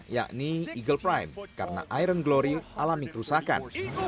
yakni eagle prime karena iron glory alami kerusakan